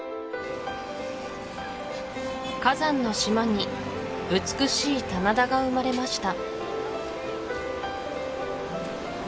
火山の島に美しい棚田が生まれました